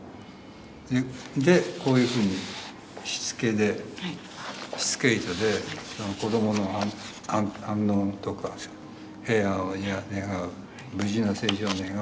でこういうふうにしつけでしつけ糸で子どもの安穏とか平安を願う無事の成長を願う。